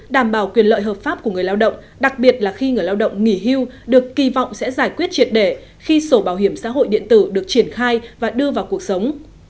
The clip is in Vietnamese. đảm bảo quyền lợi hợp pháp của người lao động đặc biệt là khi người lao động nghỉ hưu được kỳ vọng sẽ giải quyết triệt để khi sổ bảo hiểm xã hội điện tử được triển khai và đưa vào cuộc sống